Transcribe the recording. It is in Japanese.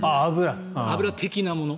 油的なもの。